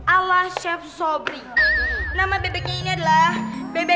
ala chef sobrini nama bebek ini adalah bebek